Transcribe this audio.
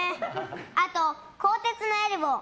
あと鋼鉄のエルボー。